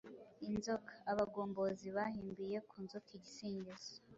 Inzoka :Abagombozi bahimbiye ku nzoka igisingizo .